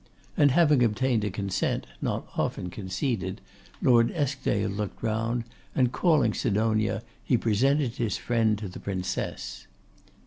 And having obtained a consent, not often conceded, Lord Eskdale looked round, and calling Sidonia, he presented his friend to the Princess.